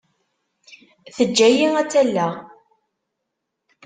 Teǧǧa-iyi ad tt-alleɣ.